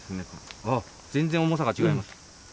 ああ、全然重さが違います。